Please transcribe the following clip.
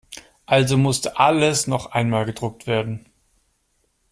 Also musste alles noch einmal gedruckt werden.